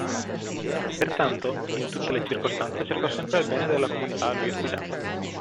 Pertanto, in tutte le circostanze cercò sempre il bene della comunità a lui affidata.